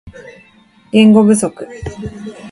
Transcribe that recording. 言語不足